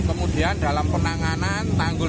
kemudian dalam penanganan tanggul